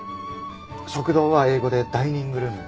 食堂は英語で「ダイニングルーム」。